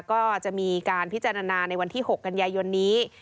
ก็จะมีการพิจารณาในวันที่๖กันยายนนี้